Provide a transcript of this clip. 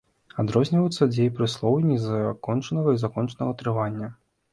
Адрозніваюцца дзеепрыслоўі незакончанага і закончанага трывання.